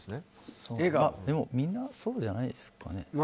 みんなそうじゃないですかね？